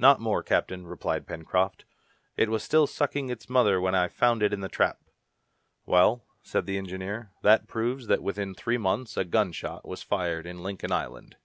"Not more, captain," replied Pencroft. "It was still sucking its mother when I found it in the trap." "Well," said the engineer, "that proves that within three months a gun shot was fired in Lincoln Island."